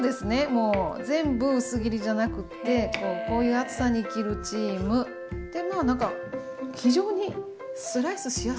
もう全部薄切りじゃなくてこうこういう厚さに切るチームでまあなんか非常にスライスしやすいかしら。